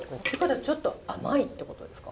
ちょっと甘いってことですか？